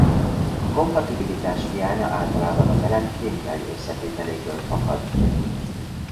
A kompatibilitás hiánya általában az elem kémiai összetételéből fakad.